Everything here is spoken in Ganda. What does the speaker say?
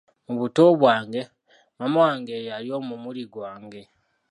Mu buto bwange, maama wange ye yali omumuli gwange.